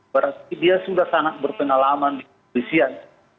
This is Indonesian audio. berarti dia sudah sangat berpengalaman di kepolisian